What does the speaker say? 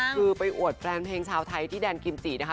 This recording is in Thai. คือไปอวดแฟนเพลงชาวไทยที่แดนกิมจินะคะ